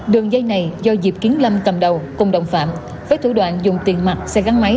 đường dây này do diệp kiến lâm cầm đầu cùng đồng phạm với thủ đoạn dùng tiền mặt xe gắn máy